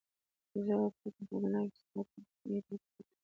زه او پټه خزانه کې استاد تاریخي میتود کارولی.